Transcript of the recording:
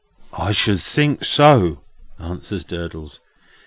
"I should think so!" answers Durdles.